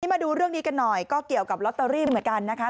มาดูเรื่องนี้กันหน่อยก็เกี่ยวกับลอตเตอรี่เหมือนกันนะคะ